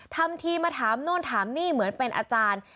ทำทีมาถามนู่นถามนี่เหมือนเป็นอาจารย์